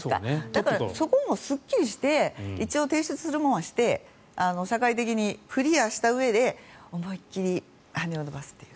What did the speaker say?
だから、そこもすっきりして一応、提出するものはして社会的にクリアしたうえで思い切り羽を伸ばすという。